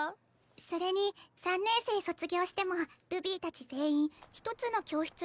それに３年生卒業してもルビィたち全員一つの教室に入ったら。